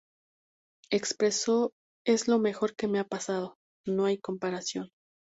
Expresó "Es lo mejor que me ha pasado; no hay comparación.